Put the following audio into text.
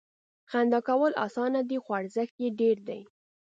• خندا کول اسانه دي، خو ارزښت یې ډېر دی.